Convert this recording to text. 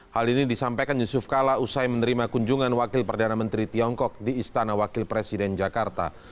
hal ini disampaikan yusuf kala usai menerima kunjungan wakil perdana menteri tiongkok di istana wakil presiden jakarta